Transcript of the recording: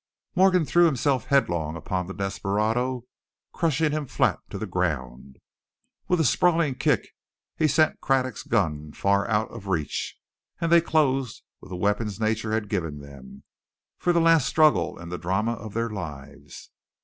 Morgan threw himself headlong upon the desperado, crushing him flat to the ground. With a sprawling kick he sent Craddock's gun far out of reach, and they closed, with the weapons nature had given them, for the last struggle in the drama of their lives.